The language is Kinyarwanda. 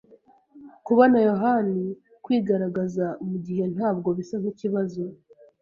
Kubona yohani kwigaragaza mugihe ntabwo bisa nkikibazo.